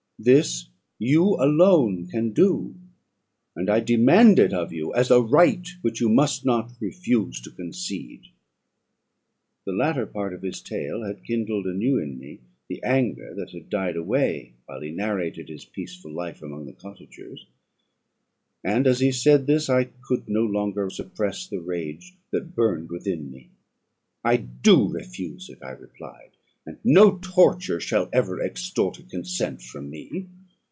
This you alone can do; and I demand it of you as a right which you must not refuse to concede." The latter part of his tale had kindled anew in me the anger that had died away while he narrated his peaceful life among the cottagers, and, as he said this, I could no longer suppress the rage that burned within me. "I do refuse it," I replied; "and no torture shall ever extort a consent from me.